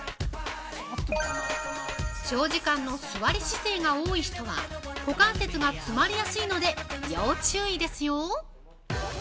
◆長時間の座り姿勢が多い人は、股関節が詰まりやすいので要注意ですよ。